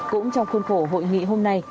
cũng trong khuôn khổ hội nghị hôm nay